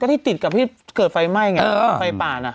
ที่ติดกับที่เกิดไฟไหม้ไงไฟป่าน่ะ